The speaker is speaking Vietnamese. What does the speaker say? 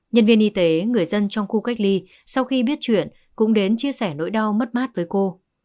nhân viên y tế người dân trong khu cách ly sau khi biết chuyện cũng đến chia sẻ nỗi đau mất mát với cô